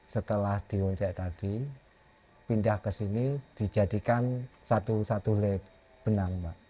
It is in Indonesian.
setelah diunce tadi pindah ke sini dijadikan satu satu lab benang mbak